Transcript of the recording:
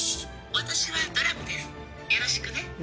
私はドラムですよろしくね。